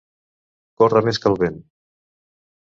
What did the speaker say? Córrer més que el vent.